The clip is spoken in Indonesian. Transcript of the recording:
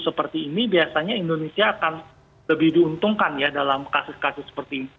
seperti ini biasanya indonesia akan lebih diuntungkan ya dalam kasus kasus seperti ini